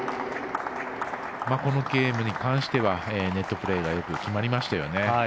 このゲームに関してはネットプレーがよく決まりましたよね。